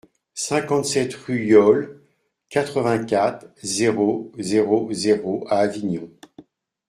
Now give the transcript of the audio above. cinquante-sept rue Yole, quatre-vingt-quatre, zéro zéro zéro à Avignon